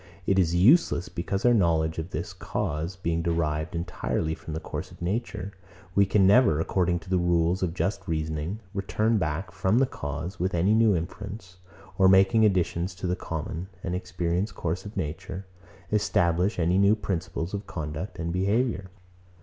It is useless; because our knowledge of this cause being derived entirely from the course of nature, we can never, according to the rules of just reasoning, return back from the cause with any new inference, or making additions to the common and experienced course of nature, establish any new principles of conduct and behaviour.